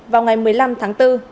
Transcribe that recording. vào ngày một mươi năm tháng bốn